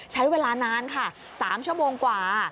ใช้เวลานานค่ะ๓ชั่วโมงกว่า